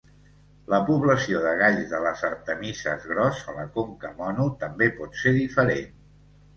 La població de galls de les artemises gros a la Conca Mono també pot ser diferent.